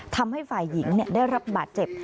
ทำให้ฝ่ายหญิงได้รับบาดเจ็บ